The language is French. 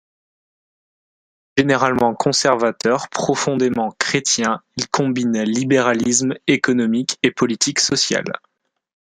Généralement conservateur, profondément chrétien, il combine libéralisme économique et politiques sociales.